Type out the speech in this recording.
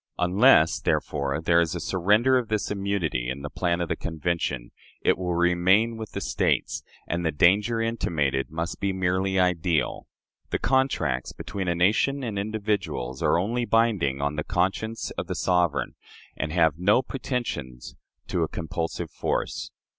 Unless, therefore, there is a surrender of this immunity in the plan of the Convention, it will remain with the States, and the danger intimated must be merely ideal.... The contracts between a nation and individuals are only binding on the conscience of the sovereign, and have no pretensions to a compulsive force.